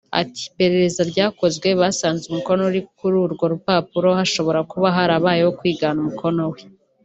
Ati “Iperereza ryakozwe basanze umukono uri kuri urwo rupapuro hashobora kuba harabayeho kwigana umukono we